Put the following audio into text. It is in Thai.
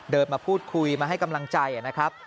มาพูดคุยมาให้กำลังใจนะครับ